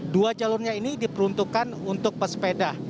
dua jalurnya ini diperuntukkan untuk pesepeda